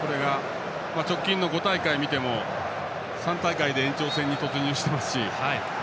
直近の５大会を見ても３大会で延長戦に突入していますし。